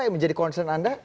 menjadi concern anda